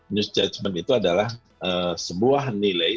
news judgement itu adalah sebuah nilai